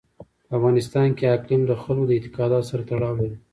په افغانستان کې اقلیم د خلکو د اعتقاداتو سره تړاو لري.